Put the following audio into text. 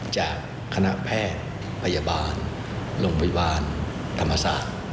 จากคณะแพทย์พยาบาลโรงพยาบาลธรรมศาสตร์